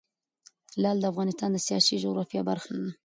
لعل د افغانستان د سیاسي جغرافیه برخه ده.